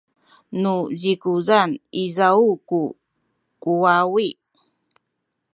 nu zikuzan izaw ku kuwawi